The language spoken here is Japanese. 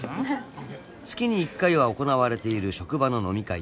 ［月に１回は行われている職場の飲み会］